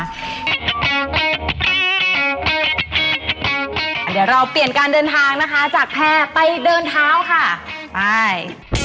เดี๋ยวเราเปลี่ยนการเดินทางนะคะจากแพร่ไปเดินเท้าค่ะไป